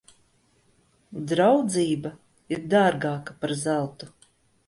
Draudzība ir dārgāka par zeltu.